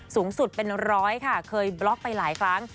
สูงสุดเป็นร้อยค่ะเคยบล็อกไปหลายครั้ง